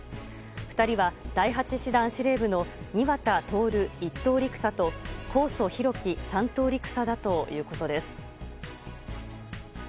２人は、第８師団司令部の庭田徹１等陸佐と神尊皓基３等陸佐だということです。